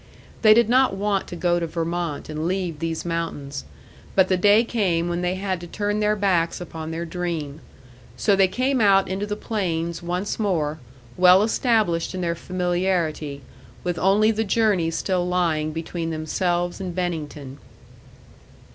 They did not want to go to Vermont and leave these mountains, but the day came when they had to turn their backs upon their dream. So they came out into the plains once more, well established in their familiarity, with only the journey still lying between themselves and Bennington.